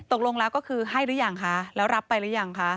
ตกลงแล้วก็คือให้หรือยังคะแล้วรับไปหรือยังคะ